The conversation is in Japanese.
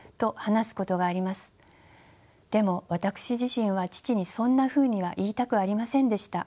でも私自身は父にそんなふうには言いたくありませんでした。